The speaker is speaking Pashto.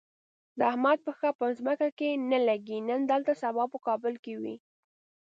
د احمد پښه په ځمکه نه لږي، نن دلته سبا په کابل وي.